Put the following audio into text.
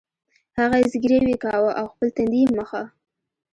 هغه زګیروی کاوه او خپل تندی یې مښه